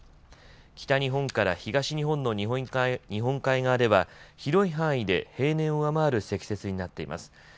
北日本から東日本の日本海側では広い範囲で平年を上回る積雪になっています。